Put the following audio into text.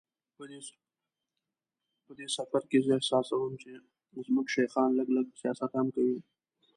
په دې سفر کې زه احساسوم چې زموږ شیخان لږ لږ سیاست هم کوي.